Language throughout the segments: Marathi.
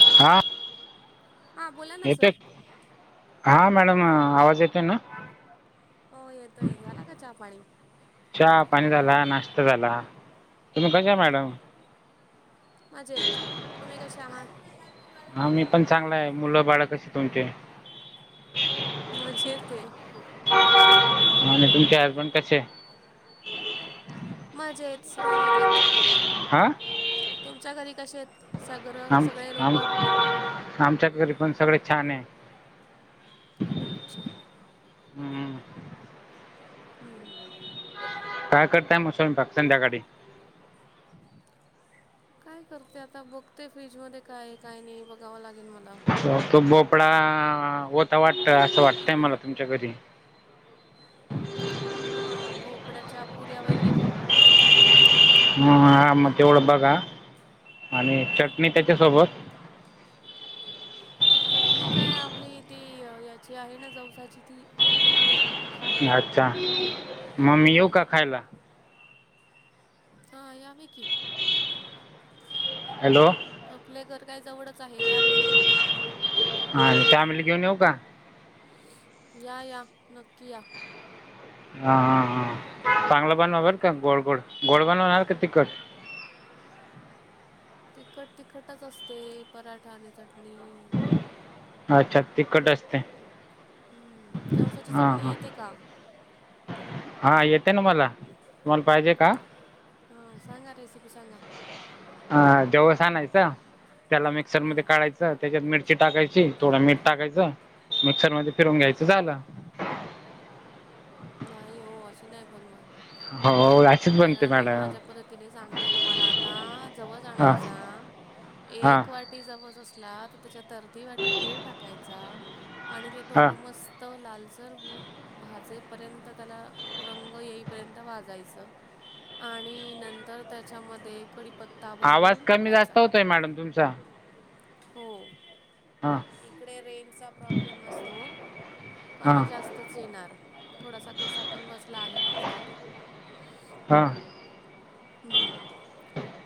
हा. हां बोला ना येते सर हा, मॅडम आवाज येतोय ना. हो येतोय. झाला का चहा पाणी. चहा पाणी झाला. नाश्ता झाला. तुम्ही कशाय मॅडम. मजेत. तुम्ही कसे आहात. हा मी पण चांगलाय. मुलं बाळ कशी तुमची. मजेते. आणि तुमचे हसबंड कसे. मजेत. सगळे मजेत. हा तुमच्या घरी कसेत. आम, आम, आमच्या घरी पण सगळे छाने. अच्छा. हम्म. हम्म हम्म हम्म. काय करताय म, स्वयंपाक संध्याकाळी. काय करते. आता बघते फ्रीजमध्ये काये काय नाही. बघावं लागेल मला. तो भोपळा होता वाटत. असं वाटतय मला तुमच्या घरी. ह. भोपड्याच्या पुऱ्या वगैरे करू. हम्म. हा मग तेवढं बघा आणि चटणी त्याच्यासोबत चटणी काय आपली ती याची आहे ना जवसाची ती. होईल खायला. अच्छा मग मी येऊ हम्म. का खायला हा. या मिकी हॅलो. आपल घर काय जवळच आहे यावे. हा. फॅमिली घेऊन येऊ का? या या नक्की या. हा हा हा. चांगलं बनवा बर का गोड गोड. गोड बनवणार का तिखट? तिखट, तिखटच असते पराठा आणि चटणी. अच्छा तिखट असते. हम्म. जवसाची चटणी येते का? हा येते ना मला. तुम्हाला पाहिजे का? हा सांगा रेसिपी सांगा. हा. जवस आणायचं त्याला मिक्सर हां मध्ये काढायचं च त्याच्यात मिरची टाकायची, थोडं मीठ टाकायचं मिक्सर मध्ये फिरून घ्यायचं झालं. नाही हो अशी नाही बनवत. हो हो गाय मला मी माझ्या पद्धतीने सांगते तुम्हाला आता जवस हां आणायचा. हां एक वाट ती जवस असला तर त्याच्यात अर्धी वाटी तीळ टाकायचा आणि ते हां दोघं मस् त लालसर भ भाजेपर्यंत त्याला रंग येईपर्यंत भाजायचं आणि नंतर त्याच्यामध्ये कडीपत आवाज कमी, जास्त होतोय मॅडम तुमचा? हो. हां इकडे रेंजचा प्रॉब्लेम असतो ओ हां कमी, जास्त च येणार थोडासा घसा पण बसला आहे माझा. हा. हम्म.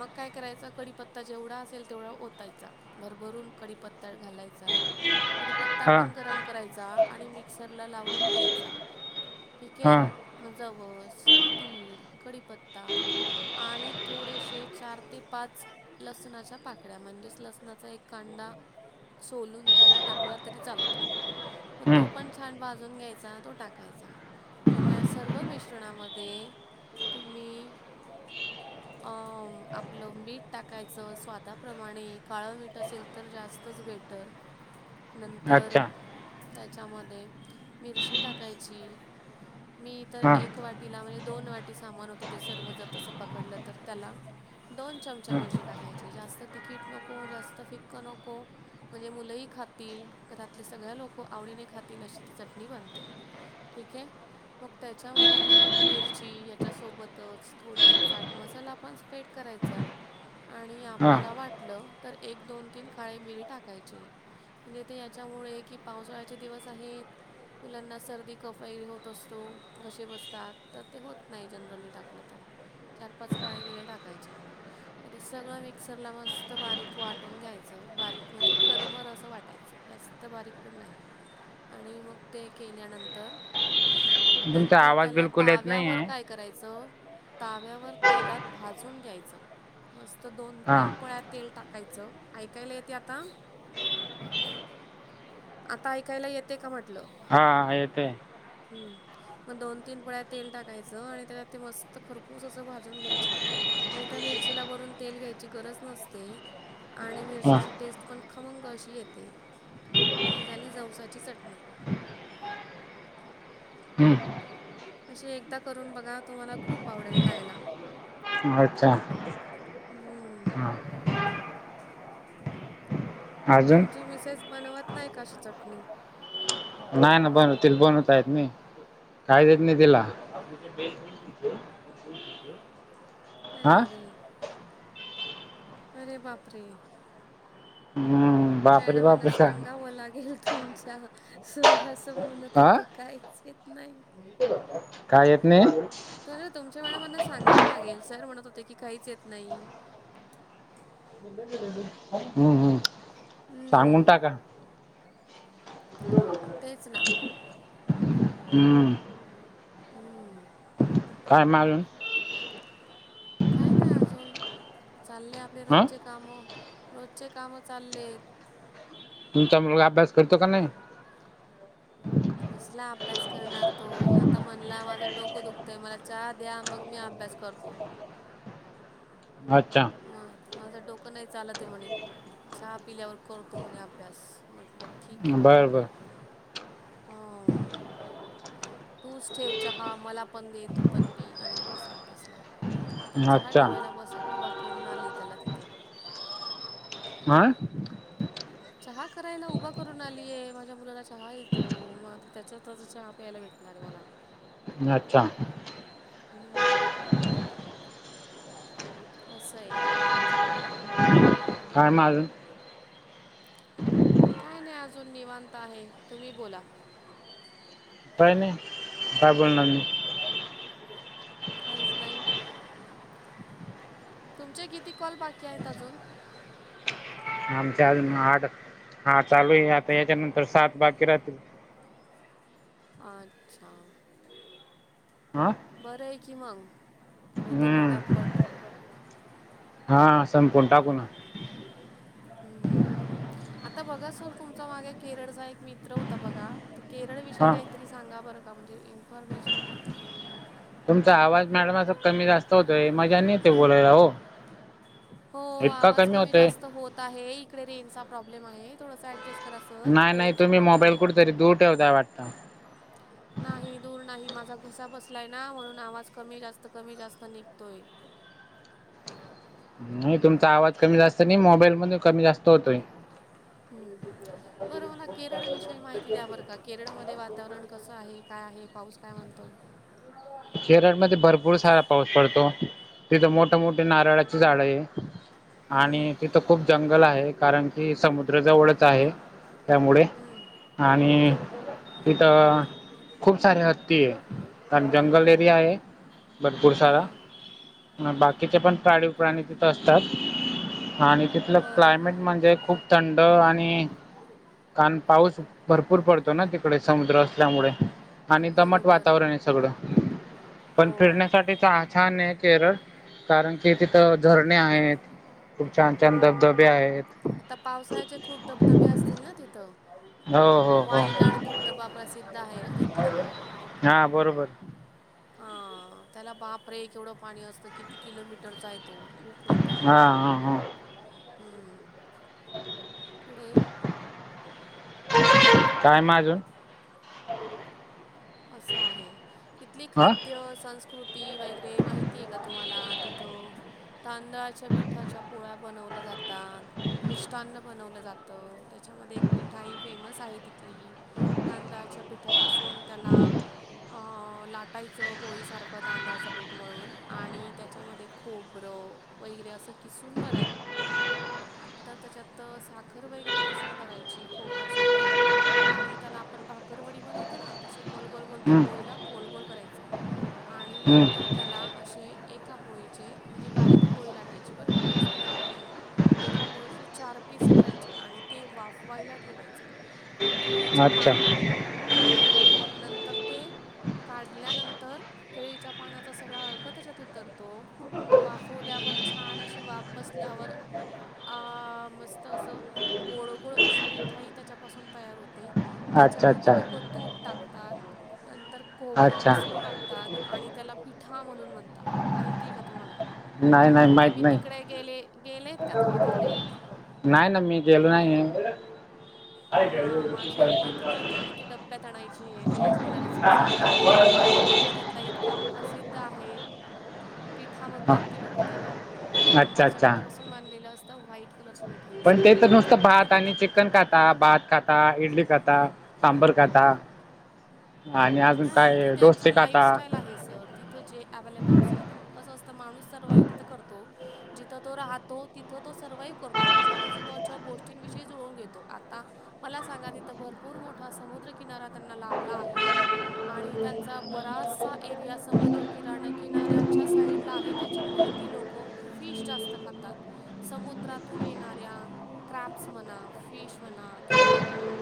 मग काय करायच कडीपत्ता जेवढा असेल तेवढा ओतायचा. भरभरून कडीपत्ता घालायचा. कडीपत्ता हां पण गरम करायचा आणि मिक्सरला लावून घ्यायचा ठीक आहे. हां म जवस, तीळ, कढीपत्ता आणि थोडेसे चार ते पाच लसणाच्या पाकड्या म्हणजेच लसणाचा एक कांडा सोलून त्याला टाकला तरी चालतो. म हं. तो पण छान भाजून घ्यायचा तो टाकायचा. आणि म या सर्व मिश्रणामध्ये तुम्ही अं आपलं मीठ टाकायचं स्वादाप्रमाणे, काळं मीठ असेल तर जास्तच बेटर. [inaudible] नंतर अच्छा त्याच्यामध्ये मिरची टाकायची. मी तर हां एक वाटीला म्हणजे दोन वाटी सामान होतं. ते सर्व जर तसं पकडलं तर त्याला दोन चमचा हां मिरची टाकायची जास्त तिकीट नको, जास्त फिक्क नको. म्हणजे मुलंही खातील. घरातले सगळ्या लोक, आवडीने खातील अशी ती चटणी बनते. ठीक हे. मग त्याच्यामध्ये मीठ, मिरची याच्यासोबतच थोडसं चाट मसाला पण स्प्रेड करायचा आणि हां आपल्याला वाटलं तर, एक, दोन, तीन काळे मिरी टाकायचे. पण येते याच्यामुळे की, पावसाळ्याचे दिवस आहेत मुलांना सर्दी, कफई होत असतो. घसे बसतात तर ते होत नाही जनरली टाकलं तर चार, पाच काळी मिरे टाकायच्या. आणि सगळं मिक्सरला मस्त बारीक वाटून घ्यायचं. बारीक म्हणजे, करमरस वाटायचं जास्त. तर बारीक पण नाही, आणि मग ते केल्यानंतर तुमचा नंतर आवाज त्याला बिलकुल येत नाही ताव्यावर आहे काय करायचं. तव्यावर तेलात भाजून घ्यायचं, मस्त दोन हां तीन पळ्या तेल टाक कायचं ओ, ऐकायला येते आता. आता ऐकायला येते का म्हटलं. हः हा येतय. हम्म मग दोन तीन पळ्या तेल टाकायचं आणि त्याला, ते मस्त खरपूस अस भाजून घ्यायची. तर त्या मिरचीला, भरून तेल घ्यायची गरज नसते. आणि हां मिरचीची टेस्ट पण खमंग अशी येते ही, झाली जावसाची चटणी. हं. अे एकदा करून बघा, तुम्हाला खूप आवडेल खायला. अच्छा हम्म. आ.. हा. तुमची मिसेस बनवत नाही का, अशी चटणी. नाही ना बनवतील बनवताय नाही काही देत नाही तिला [inaudible] अरे अरे अरे बापरे हम्म मॅडमांना सांगाव लागेल तुमच्या सर अस म्हणत होते कायच येत नाहय. हो [unintelligible] काय येत नाही. तर तुमच्या मॅडमांना सांगावं लागेल, सर म्हणत होते की, काहीच येत नाही. हम्म हम्म हम्म, सांगून टाका. ह [unintelligible] तेच ना. हम्म [unintelligible] हम्म काय माणूस काही नाही अजून चालले, आपले हां रोजचे काम, रोजचे काम चाललेत. तुमचा मुलगा अभ्यास करतो का नाही. कसला अभ्यास करणार तो आता म्हणला, माझं डोकं दुखतंय मला चहा द्या, मग मी अभ्यास करतो. अच्छा, अ माझं डोकं नाही चालत आहे म्हणे चहा पिल्यावर करतो म्हणे अभ्यास म्हटलं ठीक आहे बाबा बरं बरं आ तूच ठेव चहा मला पण दे तू पण पी आणि बस अभ्यासला आता चहा अच्छा ठेवायला बस उभा करून आले त्याला तिथे. आं [unintelligible] चहा करायला उभा करून आलीय माझ्या मुलाला चहा येतो मग आता त्याच्या हाताचा चहा प्यायला भेट भेटणार मला ् अच्छा हम्म असं आहे आमच्याकडे काय म अजून न काय नाही अजून निवांत आहे तुम्ही बोला काय नाही काय बोलणार मी काहीच नाही तुमचे किती कॉल बाकी आहेत अजून आमच्या अजून आठ हा चालू आहे आता याच्यानंतर सात बाकी्य राहतील अच्छा. हं बरं आहे की मग होते हम्म पटापट. हा संपवून टाकूू ना. हम् आता बघा सर तुमचा मागे केरळचा एक मित्र होता बघा. तर केरळ विषयी हा काहीतरी सांगा बरं का म्हणजे इन्फॉर्मेशन. तुमचा आवाज मॅडम अस कमी जास्त होतोय मजा नाही येत बोलायला हो. हो इतका आवाज कमी होतोय जास्त होत आहे इकडे रेंज चा प्रॉब्लेम आहे थोडसा ऍडजस्ट. नाही नाही तुम्ही मोबाईल कुठ तरी दूर ठेवताय वाटत. नाही दूर नाही माझा घसा बसलाय ना म्हणून आवाज कमी जास्त कमी जास्त निघतोय. नाही तुमचा आवाज कमी जास्त नाही मोबाईल मधून कमी जास्त होतोय. हम्म. बरं मला केरळ विषयी माहिती द्या बरं का केरळमध्ये वातावरण कसं आहे काय आहे पाऊस काय म्हणतो. केरळ मध्ये भरपूर सारा पाऊस पडतो तिथं मोठ मोठी नारळाची झाड आहे. हम्म, आणि तिथं खूप जंगल आहे कारण की समुद्र जवळच आहे त्यामुळे. हम्म. आणि तिथं खूप सारे हत्ती आहे कारण जंगल. हे भरपूर सारा. हम्म. बाकीचे पण प्राणी प्राणी तिथं असतात आणि तिथलं बरं क्लायमेट म्हणजे खूप. थंड आणि. कारण पाऊस भरपूर पडतो ना तिकडे समुद्र असल्यामुळे आणि दमट बरोबर वातावरण असतं. सगळं पण हो फिरण्यासाठीच छान आहे केरळ कारण कि तिथं झरणे आहे. खूप छान छान धबधबे आहेत. आता पावसाचे खूप धबधबे असतील ना तिथं. हो हो हो वायनाड धबधबा प्रसिद्ध आहे ना तिथला. हा बरोबर. हा त्याला बापरे केवढं पाणी असतं किती किलोमीटरचा आहे तो. खूप मोठा हा हा हा हम पुढे. काय म अजून. असं आहे तिथली हा खाद्य संस्कृती वगरे. माहितीय का तुम्हाला तिथ तांदळाच्या पिठाच्या पोळ्या. बनवल्या जातात. मिष्ट्न अन्न बनवलं जातं त्याच्यामध्ये एक मिठाई फेमस आहे तिथली. तादळाच्या पिठापासून त्याला. अ लाटायचं पोळीसारखं तांदळाचं पीठ मळून आणि त्याच्यामध्ये खोबरं. वगैरे असं किसून बरायच. नंतर त्याच्यात साखर वगैरे किसून भरायची खोबऱ्यासोबत. आणि त्याला आपण भाकरवडी बनवतो ना तसे गोल गोल गोल त्या हम्म पोळीला गोल गोल करायचं. आणि नंतर हम्म त्याला असे. एका पोळीचे म्हणजे बारीक पोळी लाटायची बरं का जास्त झाड पण नाही. एका पोळीचे चार पीस करायचे आणि ते वाफवायला ठेवायचं. केळीच्या अच्छा पानामध्ये आणि मग नंतर ते. काढल्यानंतर केळीच्या पाण्याचा सगळा अर्क त्याच्यात उतरतो. वाफवल्यावर छान अशी वाफ बसल्यावर. अ मस्त असं गोड गोड अशी मिठाई त्याच्यापासून तयार होते. अच्छा अच्छा त्याच्यावरती लोक तूप टाकतात नंतर खोबरं अच्छा किसून टाकतात. आणि त्याला पिठा म्हणून म्हणतात माहितीय का तुम्हाला. नाही नाही माहीत तुम्ही नाही तिकडे गेले गेलेत का तुम्ही तिकडे. नाही ना मी गेलो नाहीय. हा माझी एक मैत्रीिण होती ती डब्यात आणायची आणि तिनेच मला रेसिपी सांगितली होती तर तो पिठा त त्यातला इतका प्रसिद्ध आहे पिठा म्हणतात ती लोक त्याला अच्छा तांदाच्या अच्छा पीठापासून बांधलेलं असतं व्हाईट कलरची मिठाई पण असते ते तर आणि नुसतं त्याच्यावर भात तूप आणि टाकून चिकन खातात. खाता भात खाता खाता इडली खाता सांबर खाता आणि अजून त काय डोसे त्यांची खाता लाईफस्टाईल आहे सर तिथं जे अव्हेलेबल असेल तर कसं असतं माणूस सर्वाइव्ह तिथं करतो जिथं तो राहतो तिथं तो सर्वइव्ह करतो म्हणजे आजोबाूच्या गोष्टींविषयी जुळून घेतो आता. मला सांगा इथं भरपूर मोठा समुद्रकिनारा त्यांना लाभला आहे आणि त्यांचा बराचसा एरिया समुद्र किराणा किनाऱ्याच्या साइड ला आहे त्या त्याच्यामुळे ती लोकं फिश जास्त खातात समुद्रातून येणाऱ्या क्रॅप्स म्हणा फिश म्हणा खेकळे म्हणा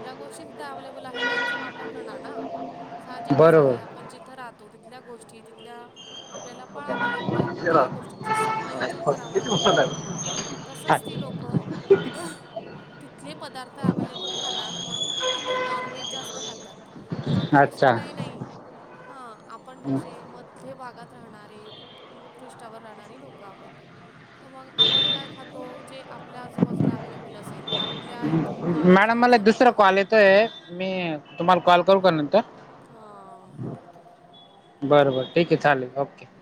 ज्या गोष्टी तिथे अवलेबल आहेत त्यांचा वापर करणार ना साहजिक बरोबर आहे पण जिथं राहतो तिथल्या गोष्टी तिथल्या आपल्याला पळावं लागतात त्या गोष्टींची समायोजन करावं किती उशीर लागतं झाला? तसंच ती अच्छा लोकं तिथले पदार्थ अवे्हेलेबल खाणार म्हणून ती ति लो नॉनव्हेज जास्त खातात बाकी दुसरं अच्छा काही नाही हा आपण कसे आहे मध्य भागात राहणारे भूपृषावर राहणारी लोकं आहोत तर मग आपण काय खातो जे आपल्या आजूबाजूला अव्लेबल असेल आपल्या मॅडम काळशार मला जमीन दुसरा कॉल आहे येतोय मी तुम्हाला कॉल करू का नंतर ह ठीक आहे बरोबर ठीक आहे चालेल ओके